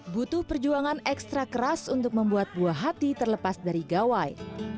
butuh perjuangan ekstra keras untuk membuat buah hati terlepas dari gawai